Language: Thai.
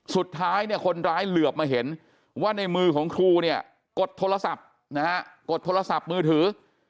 สุดท้ายคนร้ายเหลือบมาเห็นว่าในมือของครูกดโทรศัพท์มือถือ